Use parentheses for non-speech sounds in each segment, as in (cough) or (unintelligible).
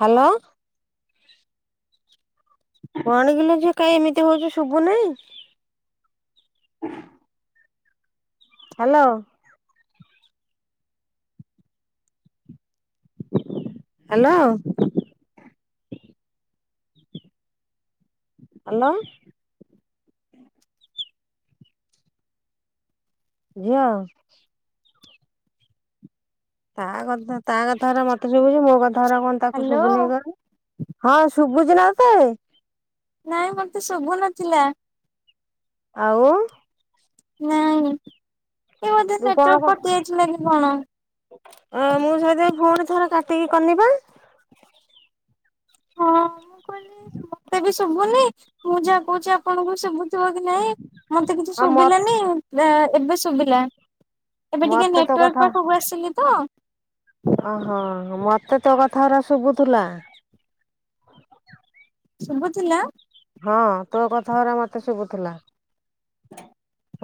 Hello. କଣଗିଲ ଯେ କାହି ଏମିତି ହଉଚ ଶୁଭୁ ନାହିଁ? (unintelligible) ହ୍ୟାଲୋ। ହ୍ୟାଲୋ। ଆଲୋ। ଝିଅ। ତା କଥା ତା କଥାର ମୋତେ ଶୁଭୁଛି। ମୋ କଥା ଉରା କଣ ତାକୁ ହ୍ୟାଲୋ ଶୁଭୁନି କଣ ନି? ହଁ, ଶୁଭୁଚି ନା ତୋତେ? ନାଇଁ ମୋତେ ଶୁଭୁ ନଥିଲା। ଆଉ? ନାଇଁ ଏ ବୋଧେ ତୁ କଣ ନେଟୱାର୍କ କଟି ଯାଇଥିଲା କି କଣ? ଓ ମୁଁ ସେଇଥିପାଇଁ ପୁଣି ଥରେ କାଟିକି କନି ପା। କହିଲେ ମୋତେ ବି ଶୁଭୁନି, ମୁଁ ଯାହା କହୁଛି ଆପଣଙ୍କୁୁ ଶୁଭୁ ଥିବ କି ନାଇଁ ମୋତେ କିଛି ଆଉ ମ ଶୁବିଲାନି, ଆ, ଏବେ ଶୁବିଲା। ଏବେ ଟିକେ ମତେ ତୋ ନେଟୱାର୍କ କଥା ପାଖକୁ ଆସିଲି ତ। ଓହୋ! ମୋତେ ତୋ କଥା ଉରା ଶୁବୁଥୁଲା। ଶୁଭୁଥିଲା। ହଁ, ତୋ କଥା ଉରା ମୋତେ ଶୁବୁଥିଲା।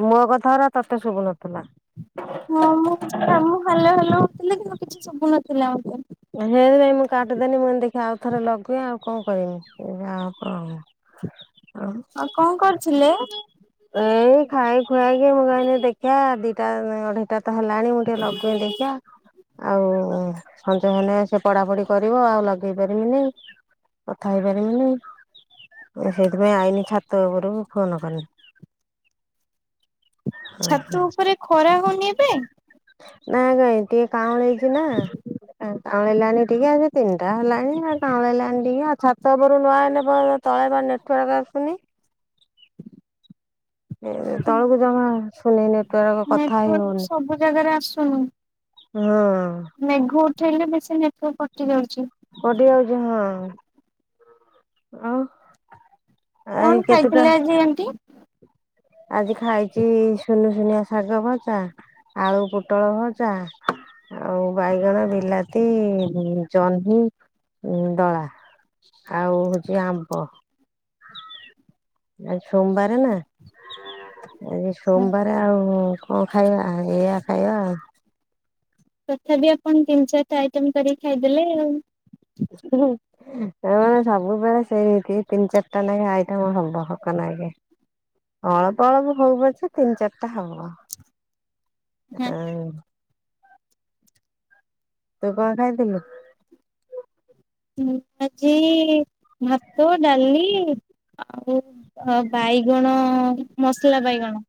ମୋ କଥା ଉରା ତୋତେ ଶୁବୁ ନଥିଲା। ହଁ, ମୁଁ ଆ, ମୁଁ ହାଲୋ ହାଲୋ ହଉଥିଲି, କିନ୍ତୁ କିଛି ଶୁଭୁନଥିଲା ମୋତେ। ହେ ସୈଇ ମୁଁ କାଟିଦେନି, ମୁଁ କହିନି ଦେଖି ଆଉଥରେ ଲଗେଇଆ ଆଉ କଣ କରିମି? ମୁଁ ଯାହା ହବ ହବ। ଆଉ। ଆଉ କଣ କରୁଥିଲେ? (unintelligible) ଏଇ ଖାଇ ଖୁଆକି ମୁଁ କହିନି ଦେଖିଆ ଦିଟା ଅଢେଇଟା ତ ହେଲାଣି ମୁଁ ଟିକେ ଲଗେଇ ଦେଖିଆ। ଆଉ ସଞ୍ଜ ହେଲେ ସେ ପଢାପଢି କରିବ ଆଉ ଲଗେଇ ପାରିମିନି। କଥା ହେଇପାରିମିନି। ଓ ସେଇଥିପାଇଁ ଆଇନି ଛାତ ଉପରକୁ ଫୋନ୍ କନି। ଛାତ ଉପରେ ଖରା ହଉନି ଏବେ? ନାଇଁ କାଇଁ ଟିକେ କାଉଁଳେଇ ଛିନା। ହଁ କାଉଁଳି ଲାଣି ଟିକେ ଆଜି ତିନିଟା ହେଲାଣି, ଆର୍ କାଉଁଳି ଲାଣି ଟିକେ ଆଉ ଛାତ ଉପରୁ ନ ଆଇନେ ପର ତଳେ ବା ନେଟୱାର୍କ ଆସୁନି। ଏ ତଳକୁ ଜମା ଆସୁନି ନେଟୱାର୍କ କଥା ହେଇ ନେଟୱାର୍କ ହଉନି। ସବୁ ଜାଗାରେ ଆସୁନି ହଁ। ମେଘ ଉଠେଇଲେ ବେଶୀ ନେଟୱାର୍କ କଟି ଯାଉଚି। କଟି ଯାଉଚି ହଁ। ଆଉ ଆଇ କଣ କେତେଟା ଖାଇଥିଲେ ଆଜି ଆଣ୍ଟି? ଆଜି ଖାଇଚି ସୁନୁ ସୁୁନିଆ ଶାଗ ଭଜା, ଆଳୁ ପୋଟଳ ଭଜା। ଆଉ ବାଇଗଣ, ବିଲାତି, ଜହ୍ନି ଉଁ, ଦଳା। ଆଉ ହଉଚି ଆମ୍ବ। ଆଜି ସୋମବାର ନା, ଆଜି ସୋମବାର ରେ ଆଉ କଣ ଖାଇବା? ଏଇଆ ଖାଇବା। ତଥାବି ଆପଣ ତିନି ଚାଟା ଆଇଟମ କରିକି ଖାଇଦେଲେ ଆଉ। ହୁଁ। ଆମର ସବୁବେଳେ ସେମିତି ତିନି ଚାଟା ନେଖେ ଆଇଟମ ହବ। ହକ ନାଗେ। ଅଳପ ଅଳପ ହଉ ପଛେ ତିନି ଚାଟା ହବ। ଏ ଆଉ ତୁ କଣ ଖାଇଥିଲୁ? ମୁଁ ଆଜି ଭାତ, ଡାଲି ଆଉ ଓ ବାଇଗଣ ମସଲା ବାଇଗଣ।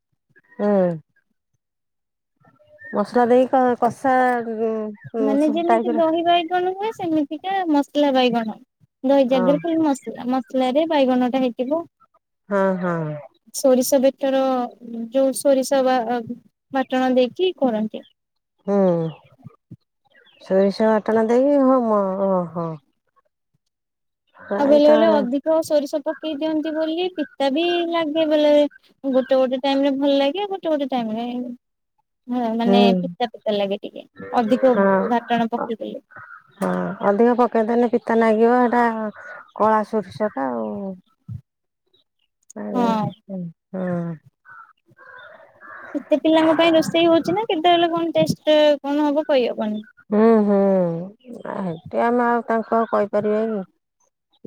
ହଁ। ମସଲା ଦେଇ କ-କଷା ଉଁ, ଉଁ, ସ-ଟାଇପ୍ ର କି ବାଇଗଣ ନୁହେଁ। ସେମିତିକା ମସଲା ବାଇଗଣ, ଦହି ହଁ ଜାଗାରେ ଖାଲି ମସଲା ମସ ସଲା ରେ ବାଇଗଣ ଟା ହେଇଥିବ। ହଁ, ହଁ। ସୋରିଷ ବେଟର ଯୋଉ ସୋରିଷ ବା ବାଟଣ ଦେଇକି କରନ୍ତି। ହୁଁ। ସୋରିଷ ଆଟଣା ଦେଇ ହଉ ମ ଓହୋ। ଆଉ ଏଇ ବେଲେ ତ ବେଲେ ଅଧିକ ସୋରିଷ ପକେଇ ଦିଅନ୍ତି ବୋଲି ପିତା ବି ଲାଗେ ବେଲେ ବେଲେ। ଗୋଟେ ଗୋଟେ ଟାଇମ୍ ରେ ଭଲ ଲାଗେ ଆଉ ଗୋଟେ ଗୋଟେ ଟାଇମ୍ ରେ ହଁ ହୁଁ ମାନେ ଫିତା ଫିତା ଲାଗେ ଟିକେ ଅଧିକ ହଁ ବାଟଣ ପକେଇଦଲେ। ହଁ ଅଧିକ ପକେଇଦେଲେ ପିତା ନାଗିବ ହେଟା କଳା ସୋରିଷଟା ଆଉ ଆଜ୍ଞା ହଁ ହୁଁ ହଁ କେତେ ପିଲାଙ୍କ ପାଇଁ ରୋଷେଇ ହଉଛି ନା କେତେବେଳେ କଣ ଟେଷ୍ଟ କଣ ହବ କହିହବନି। ହୁଁ ହୁଁ ହେଟି ଆମେ ଆଉ ତାଙ୍କ କହିପାରିବା କି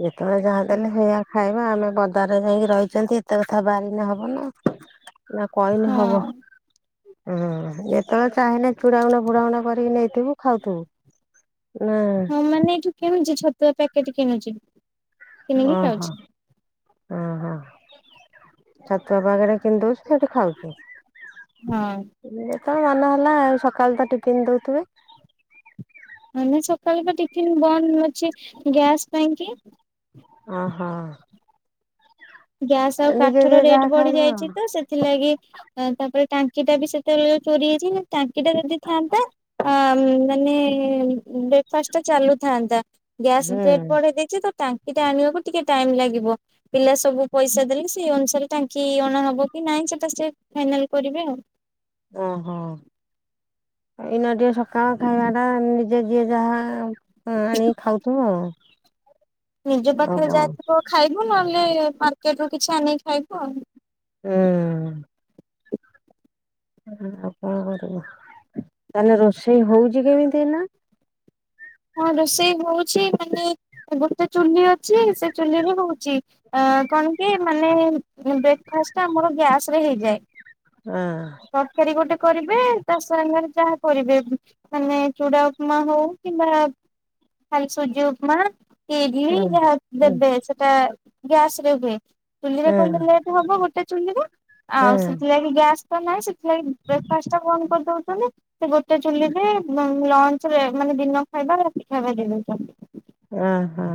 ଯେତେବେଳେ ଯାହା ଦେହଲେ ହେଇଆ ଖାଇବା ଆମେ ପଦାରେ ଯାଇକି ରହିଛନ୍ତି ଏତେ କଥା ବାରିିନେ ହବ ନା ନା କହିନେ ହବ ହଁ ହୁଁ ଯେତେବେଳେ ଚାହିେଁଲେ ଚୁଡାଉଣା ଫୁଡାଣ କରିକି ନେଇ ଥିବୁ ଖାଉଥିବୁ ନା ତ ମାନେ ଏଇଠୁ କିଣୁଛି ଛତୁଆ ପ୍ୟାକେଟ କିଣୁଛି କିଣିକି ଓହୋ ଖାଉଛି ଓହୋ ଛତୁଆ ପକେଟ୍ କିଣିଦଉଛି ସେଠି ଖାଉଛି ହଁ ଯେତେବେଳେ ମନ ହେଲା ଆଉ ସକାଳୁ ତ ଟିଫିନ୍ ଦଉଥିବେ। ମେ ସକାଳେ ତ ଟିଫିନ୍ ବନ୍ଦ ଅଛି ଗ୍ୟାସ୍ ପାଇଁ କି ଓ ହଁ ଗ୍ୟାସ୍ ଆଉ ନିଜେ କାଠର ଯିଏ ରେଟ୍ ଯାହା ବଢି଼ ଖାଇବ ଯାଇଛି ଆଉ ତ ସେଥିଲାଗି ତାପରେ ଟାଙ୍କି ଟା ବି ସେତେବେଳେ ଚୋରି ହେଇଛି ନା ଟାଙ୍କି ଟା ଯଦି ଥାଆନ୍ତା ଅ ମାନେ ବ୍ରେକ୍ଫାଷ୍ଟ ଟା ଚାଲୁଥାନ୍ତା। ଗ୍ୟାସ୍ ହୁଁ ରେଟ୍ ବଢେଇ ଦେଇଛି ତ ଟାଙ୍କି ଟା ଆଣିବାକୁ ଟିକେ ଟାଇମ ଲାଗିବ ପିଲା ସବୁ ପଇସା ଦେଲେ ସେଇ ଅନୁସାରେ ଟାଙ୍କି ଅଣାହବ କି ନାହିଁ ସେଟା ସେ ଫାଇନାଲ୍ କରିବେ ଆଉ। ଓ ହୋ ଏଇନା ଟିକେ ସକାଳ ଖାଇବା ଟା ନିଜେ ଯିଏ ଯାହା ହଁ ଆଣି ଖାଉଥିବ ଆଉ ନିଜ ଆଉ ପାଖରେ କଣ ଯାଇଥିବ ଖାଇବୁ ନହେଲେ ନାଇଁ ମାର୍କେଟ୍ ରୁ କିଛି ଆନିକି ଖାଇବୁ ଆଉ। ହୁଁ ଆଉ କଣ କରିବୁ ତାେଲେ ରୋଷେଇ ହଉଛି କେମିତି ଏଇନା? ହଁ ରୋଷେଇ ହଉଛି ମାନେ ଗୋଟେ ଚୁଲି ଅଛି ସେ ଚୁଲି ରେ ହଉଛି। ଅ କଣ କି ମାନେ ବ୍ରେକ୍ଫାଷ୍ଟ ଆମର ଗ୍ୟାସ୍ ରେ ହେଇଯାଏ। ହଁ ତରକାରୀ ଗୋଟେ କରିବେ ତା ସାଙ୍ଗରେ ଯାହା କରିବେ ମାନେ ଚୁଡ଼ା ଉପମା ହଉ କିମ୍ବା ଖଲ୍ ସୁଜି ଉପମା କି ଇଡ୍ଲି ହୁଁ। ଯାହା ହୁଁ ଦେବେ ସେଠି ଟା ଗ୍ୟାସ୍ ରେ ହୁଏ ଚୁଲିରେ କଲେ ଲେଟ୍ ହେବ ଗୋଟେ ଚୁଲିରେ ହୁଁ ଆଉ ସେଥିଲାି ଗ୍ୟାସ୍ ତ ନାଇଁ ସେଥିଲାଗି ବ୍ରେକ୍ଫାଷ୍ଟ ଟା ବନ୍ଦ କରିଦଉଛନ୍ତି ସେ ଗୋଟେ ଚୁଲିରେ ଉଁ ଲଞ୍ଚ୍ ରେ ମାନେ ଦିନ ଖାଇବା ରାତି ଖାଇବା ଦେଇଦଉଛନ୍ତି ହଁ ହଁ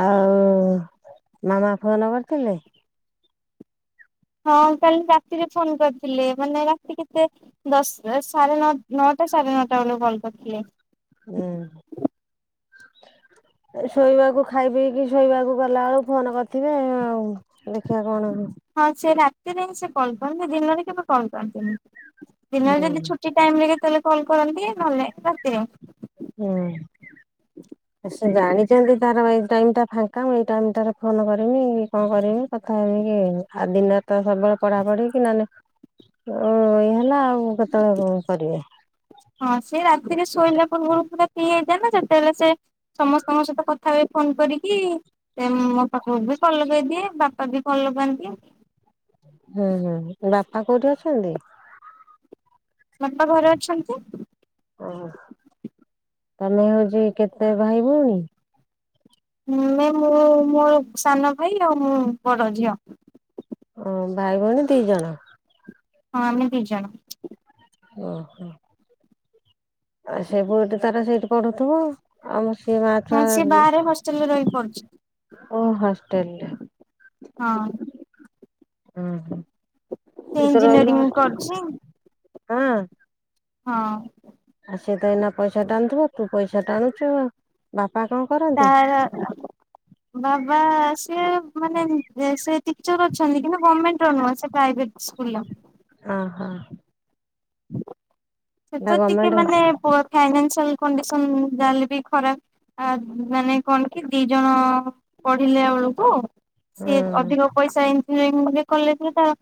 ଆଉ ମାମା ଫୋନ୍ କରିଥିଲେ। ହଁ କାଲି ରାତିରେ ଫୋନ୍ କରିଥିଲେ ମାନେ ରାତି କେତେ? ଦଶ୍ ସାଢେ ନଅ ନଅଟା ସାଢେ ନଅଟା ବେଳକୁ କଲ୍ କରିଥିଲେ। ହୁଁ ଶୋଇବାକୁ ଖାଇ ପିଇକି ଶୋଇବାକୁ ଗଲା ବେଳକୁ ଫୋନ କରିଥିବେ ଆଉ। ଦେଖିବା କଣ ହଁ ସେ ରାତିରେ ହିଁ ସେ କଲ୍ କରନ୍ତି ଦିନରେ କେବେ କଲ୍ କରନ୍ତିନି ଦିନରେ ଯଦି ଛୁଟି ଟାଇମ୍ ରେ କେତେବେଳେ କଲ୍ କରନ୍ତି ନହେଲେ ରାତିରେ। ହୁଁ। ସେ ଜାଣିଛନ୍ତି ତାର ଏଇ ଟାଇମ୍ ଟା ଫାଙ୍କା ମୁଁ ଏଇ ଟାଇମ୍ ଟାରେ ଫୋନ କରିମି କି କଣ କରିମି। କଥା ହେମିକି ଏଇନେ ଆ ଦିନରେ ତ ସବୁବେଳେ ପଢ଼ା ପଢ଼ି କି ନା ନାଇଁ। ଓ ଇଏ ହେଲା ଆଉ କେତେବେଳେ ମୁଁ କରିବି? ହଁ ସିଏ ରାତିରେ ଶୋଇଲା ପୂର୍ବରୁ ପୁରା ତିଏ ହେଇଥାଏ ନା ସେତେବେଳେ ସେ ସମସ୍ତଙ୍କ ସହିତ କଥା ହୁଏ ଫୋନ୍ କରିକି। ସେ ମୋ ପାଖକୁ ବି କଲ୍ ଲଗେଇଦିଏ ବାପା ବି କଲ୍ ଲଗାନ୍ତି। ହୁଁ ହୁଁ ବାପା କୋଉଠି ଅଛନ୍ତି? ବାପା ଘରେ ଅଛନ୍ତି। ଓ ତମେ ହୋଉଛି କେତେ ଭାଇ ଭଉଣୀ? ମାନେ ମୁଁ ମୋର ସାନ ଭାଇ ଆଉ ମୁଁ ବଡ଼ ଝିଅ। ଓ ଭାଇ ଭଉଣୀ ଦି ଜଣ। ହଁ ଆମେ ଦି ଜଣ। ଓ ହୋ। ଆ ସେ ପୁଅଟି ତାର ସେଇଠି ପଢ଼ୁଥିବା। ଆମ ସେ ମା ହଁ ଛୁଆ ସିଏ ବାହାରେ ହଷ୍ଟେଲରେ ରହି ପଡୁଛି। ଓ ହଷ୍ଟେଲ୍ ରେ। ହଁ। ଅଁ ହ ସେ ତୁ ତ ରହିଲୁ ଇଞ୍ଜିନିୟରିଂ ହଷ୍ଟେଲ୍ ହଁ? କରୁଛି ହଁ। ଆଉ ସିଏ ତ ଏଇନା ପଇସା ଟାଣୁଥିବା ତୁ ପଇସା ଟାଣୁଛୁ ଆଉ ବାପା କ ତାର ବାବା ସିଏ ମାନେ ଏ ସେ ଟିଚର ଅଛନ୍ତି କିନ୍ତୁ ଗଭର୍ଣମେଣ୍ଟ ର ନୁହଁ ସେ ପ୍ରାଇଭେଟ ସ୍କୁଲ ର। ଅଁ ହଁ। (unintelligible) ଟିକେ ମାନେ ପ ଫାଇନାସିଆଲ କଣ୍ଡିସନ ଯାହା ହେଲେ ବି ଖରାପ। ଆ ମାନେ କଣ କି ଦି ଜଣ ପଢ଼ିଲେ ଓଳୁକୁ। ହଁ ସିଏ ଅଧିକ ପଇସା ଇଜିନିୟରିଂ ରେ କଲେଜ୍ ରେ ତାର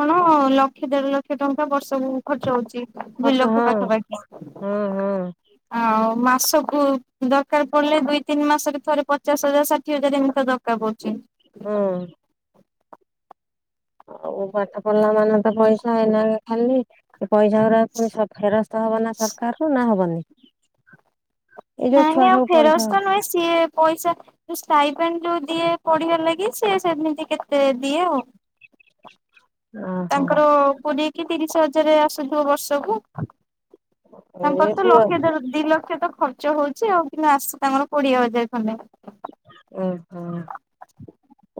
କଣ ଲକ୍ଷେ ଦେଢ଼ ଲକ୍ଷ ଟଙ୍କା ବର୍ଷକୁ ଖର୍ଚ୍ଚ ହଉଛି ଦୁଇ ଖର୍ଚ୍ଚ ଲ କ୍ଷ ହଁ ପାଖା ହଁ ପାଖି। ହଁ ଆଉ ମାସକୁ ଦରକାର ପଡ଼ିଲେ ଦୁଇ ତିନି ମାସରେ ଥରେ ପଚାଶ ହଜାର ଷାଠିଏ ହଜାର ଏମିତି ତ ଦ କାର ପଡ଼ୁଚି। ହୁଁ। ଆଉ ପାଠ ପଢ଼ିଲା ମାନେ ତ ପଇସା ଏଇନେକା ଖାଲି। ଏ ପଇସା ଗୁରାକ ପୁଣି ସର୍ ଫେରସ୍ତ ହବ ନା ସରକାର ରୁ ନା ହବନି? ଏଇ ଯୋଉ ନାଇଁ ଛୁଆ ଆଉ ସବୁ ପଇସା ଫେରସ୍ତ ନାଇଁ ସିଏ ପଇସା ଯୋଉ ଷ୍ଟାଇପେନ୍ ଯୋଉ ଦିଏ ପଢ଼ିବା ଲାଗି ସିଏ ସେମିତି କେତେ ଦିଏ ଆଉ। ଓହୋ ତାଙ୍କର କୋଡ଼ିଏ କି ତିରିଶ ହଜାରେ ଆସୁଥିବ ବର୍ଷକୁ। ତାଙ୍କର ଏ ତ ପୁଅ ଲକ୍ଷେ ଦେଢ଼ ଦି ଲକ୍ଷ ତ ଖର୍ଚ୍ଚ ହଉଛି ଆଉ କିନ୍ତୁ ଆସୁଛି ତାଙ୍କର କୋଡ଼ିଏ ହଜାର ଖଣ୍ଡେ। ଓଁ ହଁ ଓ।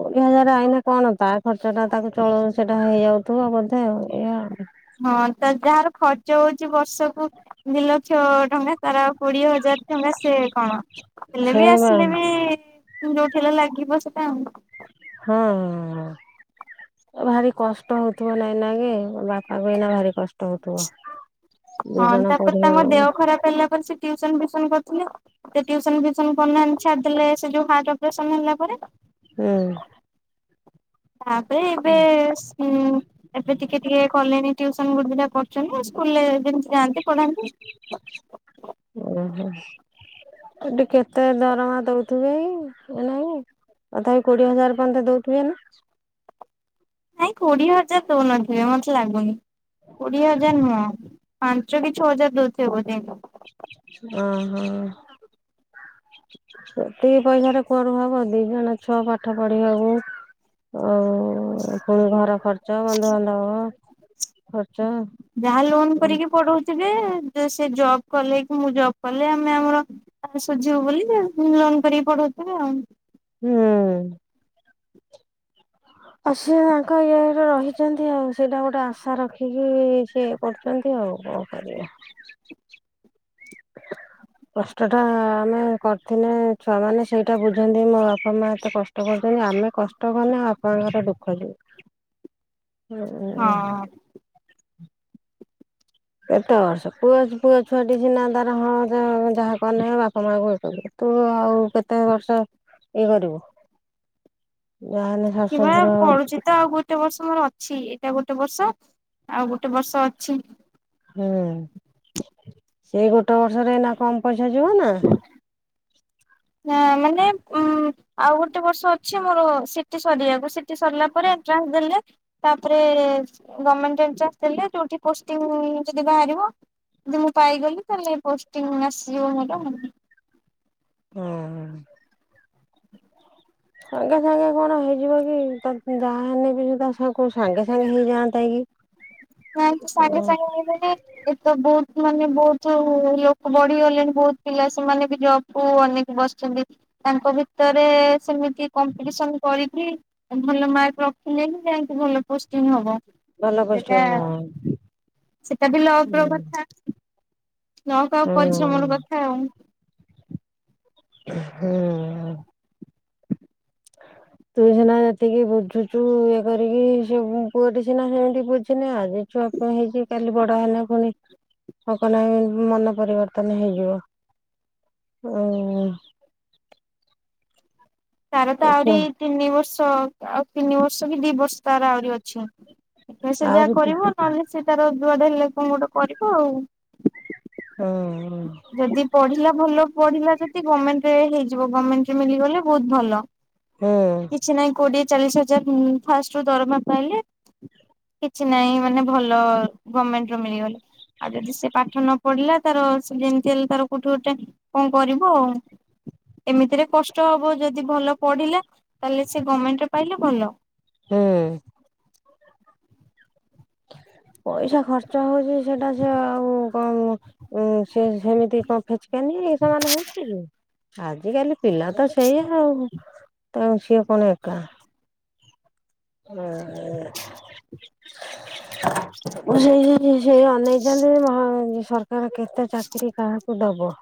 କୋଡ଼ିଏ ହଜାର ଆଇନେ କଣ ତା ଖର୍ଚ୍ଚଟା ତାକୁ ଚଳଉ ସେଇଟା ହେଇଯାଉଥିବ ବୋଧେ ଆଉ ଏଇଆ। ହଁ ତା ଯାହାର ଖର୍ଚ୍ଚ ହୋଉଛି ବର୍ଷକୁ ଦି ଲକ୍ଷ ଟଙ୍କା ତାର ଆଉ କୋଡ଼ିଏ ହଜାର ଟଙ୍କା ସେ କଣ? ହେଲେ ସେ ବି ବା ଆସିଲେ ବି ଯୋଉଠି ହେଲେ ଲାଗିବ ସେଟା ଆଉ। ହଁ। ଆ ଭାରି କଷ୍ଟ ହଉଥିବ ନାଇଁ ନାଁ କୀ ବାପାଙ୍କୁ ଏଇନା ଭାରି କଷ୍ଟ ହୋଉ ହଁ ତାପରେ ତାଙ୍କ ହୁଁ ଓହୋ ଦେହ ଖରାପ ହେଲା ପରେ ସେ ଟ୍ୟୁସନ ଫ୍ୟୁସନ କରିଥିଲେ ସେ ଟ୍ୟୁସନ ଫ୍ୟୁସନ କରୁନାହାନ୍ତି ଛାଡ଼ିଦେଲେ ସେ ଯୋଉ ହାଟ୍ ଅପରେସନ ହେଲା ପରେ। ହୁଁ। ତାପରେ ଏବେ ସୁଁ ଏବେ ଟିକେ ଟିକେ କଲେଣି ଟ୍ୟୁସ୍ ସନ୍ ଗୋଟେ ଦିଟା କରୁଛନ୍ତି ସ୍କୁଲରେ ଯେମିତି ଯାଆନ୍ତି ପଢ଼ାନ୍ତି। ଓହୋ ସେଠି କେତେ ଦରମା ଦଉଥିବେ କି (unintelligible) ତଥାବି କୋଡିଏ ହଜାର ପର୍ଯ୍ୟନ୍ତ ଦେଉଥିବେନା। ନାଇଁ କୋଡିଏ ହଜାର ଦଉନଥିବେ ମତେ ଲାଗୁନି କୋଡିଏ ହଜାର ନୁହଁ ପାଞ୍ଚ କି ଛଅ ହଜାର ଦଉଥିବେ ବୋଧେ। ଓ ହୋ ଦି ପଇସାରେ କୁଆଡୁ ହବ ଦି ଜଣ ଛୁଆ ପାଠ ପଢିବାକୁ ଆଉ ପୁଣି ଘର ଖର୍ଚ୍ଚ ବନ୍ଧୁବାନ୍ଧବ ଖର୍ଚ୍ଚ ଯାହା ଲୋନ ହୁଁ। କରିକି ପଢଉଥିବେ ସେ ଜବ୍ କଲେ କି ମୁଁ ଜବ୍ କଲେ ଆମେ ଆମର ଆ ସୁଝିବୁ ବୋଲି ଲୋନ କରିକି ପଢ଼ଉ ଥିବୁ ଆଉ ହୁଁ ଆଉ ସିଏ ତାଙ୍କ ଇଏ ଇରେ ରହିଛନ୍ତି ଆଉ ସେଇଟା ଗୋଟେ ଆଶା ରଖିକି ସେ କରୁଛନ୍ତି ଆଉ କଣ କରିବା (unintelligible) କଷ୍ଟଟା ଆମେ କରିଥିନେ ଛୁଆ ମାନେ ସେଇଟା ବୁଝନ୍ତି ମୋ ବାପା ମା ଏତେ କଷ୍ଟ ସେ କହୁଛନ୍ତି ଆମେ କଷ୍ଟକଲେ ବାପଙ୍କର ଦୁଃଖ ଯିବ। ହଁ। କେତେ ବର୍ଷ ପୁଅ ପୁଅ ଛୁଆଟି ସିନା ତାର ହଁ ଯାହା କନେ ବାପା ମାଙ୍କୁ କେ ତୁ ଆଉ କେତେ ବର୍ଷ ଇଏ କରିବୁ ଯାହାହେଲେ ଶାଶୁ ଶଶୁର କିଭଳି ପଢୁଚିତ ଆଉ ଗୋଟେ ବର୍ଷ ମୋର ଅଛି ଏଇଟା ଗୋଟେ ବର୍ଷ ଆଉ ଗୋଟେ ବର୍ଷ ଅଛି। ହୁଁ ସେଇ ଗୋଟେ ବର୍ଷରେ ଏଇନା କମ ପଇସା ଯିବ ନା ହଁ ମାନେ ଉଁ ଆଉ ଗୋଟେ ବର୍ଷ ଅଛି ମୋର ସିଟି ସରିବାକୁ ସିଟି ସରିଲା ପରେ ଏଣ୍ଟ୍ରାନ୍ସ ଦେଲେ ତାପରେ ଗମେଣ୍ଟ ଏଣ୍ଟ୍ରାନ୍ସ ଦେଲେ ଯୋଉଠି ପୋଷ୍ଟିଙ୍ଗ ଯଦି ବାହାରିବ। ଯଦି ମୁଁ ପାଇଗଲି ତାହେଲେ ପୋଷ୍ଟିଂ ଆସିଯିବ ମୋର। ହୁଁ। ସାଙ୍ଗେ ସାଙ୍ଗେ କଣ ହେଇଯିବ କି ତ ଯାହା ହେନେବି ବି ସୁଧା ସାଙ୍ଗେ ସାଙ୍ଗେ ହେଇଯାଆନ୍ତା କି ନା ତୁ ସାଙ୍ଗେ ସାଙ୍ଗେ ହେଇଗଲେ ଏତ ବହୁତ ମାନେ ବହୁତ ଲୋକ ବଢିଗଲେଣି ବହୁତ ପିଲା ସେମାନେ ବି ଜବ୍ ଓ ଅନେକ ବସିଛନ୍ତି ତାଙ୍କ ଭିତରେ ସେମିତି କମ୍ପିଟିସନ କରିକି ଭଲ ମାର୍କ ରଖିଲେ ହିଁ ଯାଇକି ଭଲ ପୋଷ୍ଟି ହବ। ଭଲ ସେଟା ପୋଷ୍ଟିଙ୍ଗ ସେଟା ବି ହେବ ନ କ ଆଉ ପରିଶ୍ରମର କଥା ଆଉ ହୁଁ ତୁ ସିନା ଯେତିକି ବୁଝୁଛୁ ଇଏ କରିକି ସେ ପୁଅଟି ସିନା ସେମିତି ବୁଝିନେ ଆଜି ଛୁଆ ପୁଣି ହେଇଛି କାଲି ବଡ ହେଲେ ପୁଣି ହ କ ନା ମନ ପରିବର୍ତ୍ତନ ହେଇଯିବ ଆଉ ତାର ତ ଆହୁରି ଉଁ ତିନି ବର୍ଷ ଆଉ ତିନି ବର୍ଷ କି ଦି ବର୍ଷ ତାର ଆହୁରି ଅଛି ସେ ଯାହା ଆହୁରି ତୁ କରିବ ନହେଲେ ସେ ତାର ଯୁଆଡେ ହେଲେ କଣ ଗୋଟେ କରିବ ଆଉ ହୁଁ ହୁଁ। ଯଦି ପଢିଲା ଭଲ ପଢିଲା ଯଦି ଗଭର୍ଣ୍ଣମେଣ୍ଟରେ ହେଇଯିବ ଗଭର୍ଣ୍ଣମେଣ୍ଟ ରେ ମିଲିଗଲେ ବହୁତ ଭଲ ହୁଁ। କିଛି ନାହିଁ କୋଡିଏ ଚାଳିଶ ହଜାର ଫାଷ୍ଟ ରୁ ଦରମା ପାଇଲେ କିଛି ନାହିଁ ମାନେ ଭଲ ଗଭମେଣ୍ଟର ମିଳିଗଲେ ଆଉ ଯଦି ସେ ପାଠ ନ ପଢିଲା ତାର ସେ ଯେମିତି ହେଲେ ତାର କୋଠି ଗୋଟେ କଣ କରିବୁ ଆଉ। ଏମିତିରେ କଷ୍ଟ ହବ ଯଦି ଭଲ ପଢିଲା ତାହେଲେ ସେ ଗଭର୍ଣମେଣ୍ଟରେ ପାଇଲେ ଭଲ। ହୁଁ। ପଇସା ଖର୍ଚ୍ଚ ହଉଛି ସେଟା ସେ ଆଉ କଣ ସେ ସେମିତି କଣ ଫେଚକାନି ସେମାନେ ହେଛି ଆଜିକାଲି ପିଲା ତ ସେଇଆ ଆଉ ତା ସିଏ କଣ ଏକା। ହ, (unintelligible) ସେ ଯୋଉ ଅନେଇଛନ୍ତି ମହ ସରକାର କେତେ ଚାକିରି କାହାକୁ ଦବ?